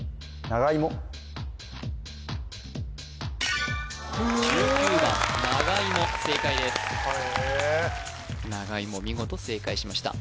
ながいも見事正解しました